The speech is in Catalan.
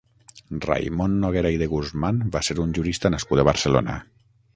Raimon Noguera i de Guzman va ser un jurista nascut a Barcelona.